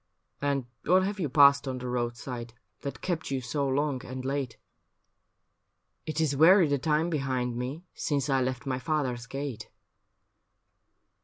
' And what have you passed on the roadside That kept you so long and late? '' It is weary the time behind me Since I left my father's gate.